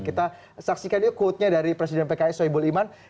kita saksikan yuk quote nya dari presiden pks soebul iman